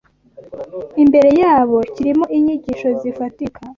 imbere yabo kirimo inyigisho zifatika